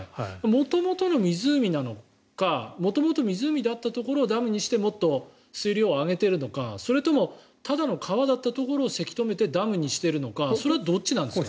元々の湖なのか元々、湖だったところをダムにして水量を上げているのかそれともただの川だったところをせき止めてダムにしているのかそれはどっちなんですか？